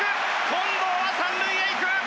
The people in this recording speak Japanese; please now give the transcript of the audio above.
近藤は三塁へ行く！